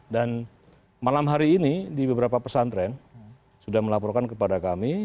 dan malam hari ini di beberapa pesantren sudah melaporkan kepada kami